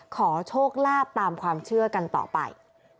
ขอโชคลาภตามความเชื่อกันต่อไป